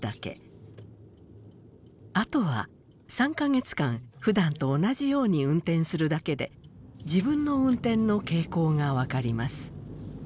あとは３か月間ふだんと同じように運転するだけで自分の運転の傾向が分かります。